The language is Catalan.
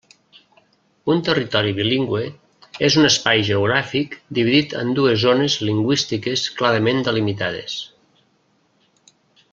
Un territori bilingüe és un espai geogràfic dividit en dues zones lingüístiques clarament delimitades.